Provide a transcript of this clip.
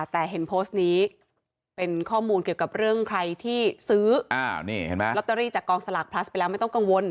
แต่เห็นโพสต์นี้เป็นข้อมูลเกี่ยวกับเรื่องใครที่ซื้อนี่เห็นไหมลอตเตอรี่จากกองสลากพลัสไปแล้วไม่ต้องกังวล